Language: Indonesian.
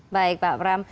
baik pak ram